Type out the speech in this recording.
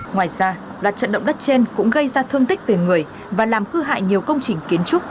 ngoài ra loạt trận động đất trên cũng gây ra thương tích về người và làm hư hại nhiều công trình kiến trúc